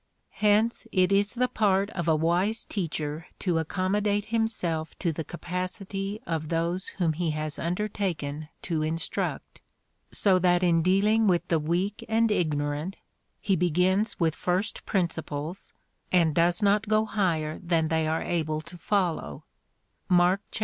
Hence it is the part of a wise teacher to accommodate himself to the capacity of those whom he has undertaken to instruct, so that in dealing with the weak and ignorant, he begins with first principles, and does not go higher than they are able to follow, (Mark iv.